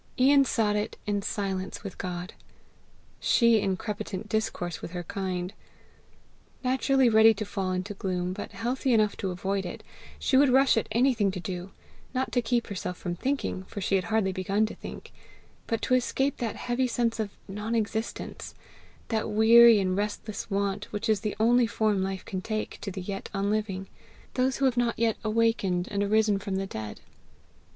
Ian sought it in silence with God; she in crepitant intercourse with her kind. Naturally ready to fall into gloom, but healthy enough to avoid it, she would rush at anything to do not to keep herself from thinking, for she had hardly begun to think, but to escape that heavy sense of non existence, that weary and restless want which is the only form life can take to the yet unliving, those who have not yet awakened and arisen from the dead.